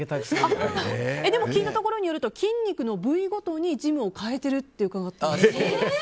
でも聞くところによると筋肉の部位ごとにジムを変えてるって伺ったんですけど。